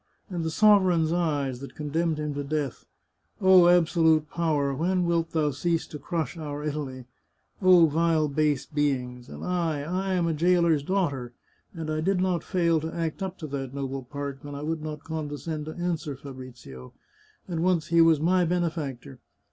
And the sovereign's eyes, that condemned him to death. Oh, absolute power, when wilt thou cease to crush our Italy ? Oh, vile, base beings ! And I — I am a jailer's daughter ; and I did not fail to act up to that noble part when I would not condescend to answer Fabrizio. And once he was my benefactor!